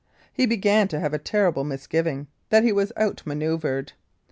He began to have a terrible misgiving that he was out manoeuvred.